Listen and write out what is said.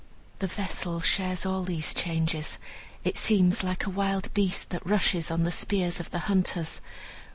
The vessel shares all these changes. It seems like a wild beast that rushes on the spears of the hunters.